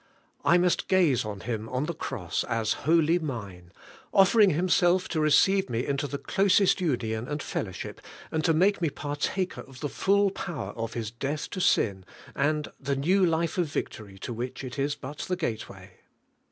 I must gaze on Him on the Cross as wholly mine, offering Himself to receive me into the closest union and fellowship, and to make me partaker of the full power of His death to sin, and the new life of victory to which it is but the gateway.